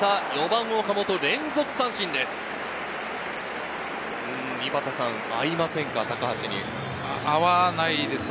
４番・岡本、連続三振です。